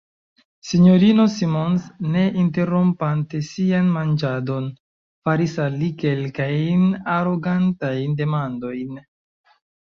S-ino Simons, ne interrompante sian manĝadon, faris al li kelkajn arogantajn demandojn.